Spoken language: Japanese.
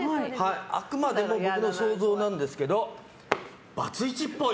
あくまでも僕の想像なんですけどバツイチっぽい。